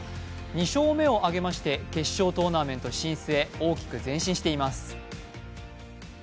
２勝目を挙げまして決勝トーナメント進出へ大きく前進しています。